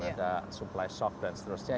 ada supply shock dan seterusnya